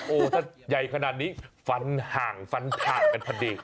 โอ้ถ้าใหญ่ขนาดนี้ฟันห่างฟันผ่านกันพันเดียว